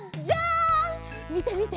みてみて！